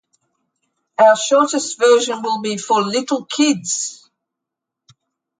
Our short version will be for little kids